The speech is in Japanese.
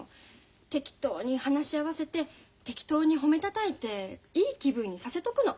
適当に話合わせて適当に褒めたたえていい気分にさせとくの。